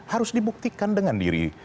harus dibuktikan dengan diri